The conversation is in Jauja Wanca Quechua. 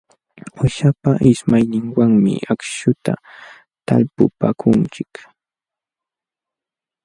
Uushapa ismayninwanmi akśhuta talpupaakunchik.